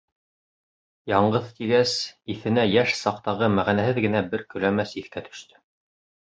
Яңғыҙ, тигәс, иҫенә йәш саҡтағы мәғәнәһеҙ генә бер көләмәс иҫкә төштө.